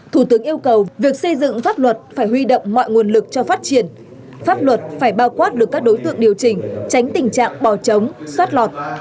thủ tướng yêu cầu việc xây dựng pháp luật phải huy đậm mọi nguồn lực cho phát triển pháp luật phải bao quát được các đối tượng điều trình tránh tình trạng bò chống xoát lọt